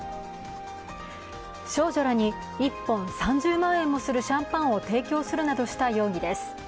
少女らに１本３０万円もするシャンパンを提供するなどした容疑です。